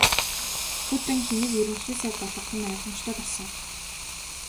Путин хэнийг Ерөнхий сайд болгох нь ойлгомжтой болсон.